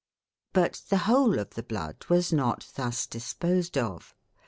But the whole of the blood was not thus disposed of.